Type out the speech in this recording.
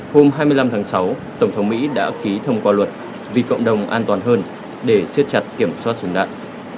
hôm hai mươi năm tháng sáu tổng thống mỹ đã ký thông qua luật vì cộng đồng an toàn hơn để siết chặt kiểm soát súng đạn